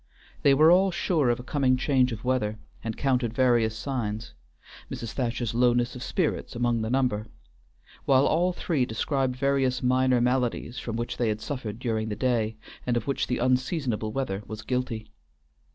They were all sure of a coming change of weather, and counted various signs, Mrs. Thacher's lowness of spirits among the number, while all three described various minor maladies from which they had suffered during the day, and of which the unseasonable weather was guilty.